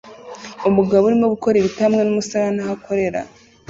umugabo arimo gukora ibiti hamwe n'umusarani aho akorera